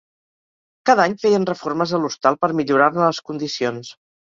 Cada any feien reformes a l'hostal per millorar-ne les condicions.